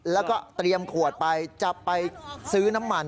แล้วก็เตรียมขวดไปจะไปซื้อน้ำมัน